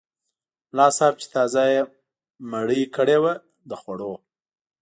ملا صاحب چې تازه یې مړۍ کړې وه د خوړو.